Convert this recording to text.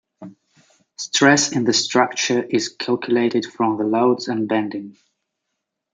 Stress in the structure is calculated from the loads and bending.